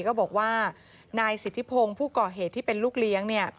ก็บอกว่านายสิทธิพงศ์ผู้ก่อเหตุที่เป็นลูกเลี้ยงเนี่ย